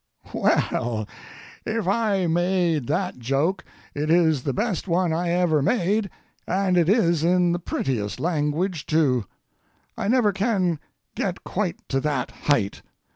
] Well, if I made that joke, it is the best one I ever made, and it is in the prettiest language, too.—I never can get quite to that height.